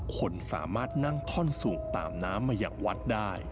คนสามารถนั่งท่อนสูบตามน้ำมาอย่างวัดได้